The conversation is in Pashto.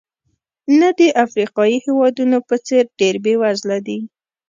نه د افریقایي هېوادونو په څېر چې ډېر بېوزله دي.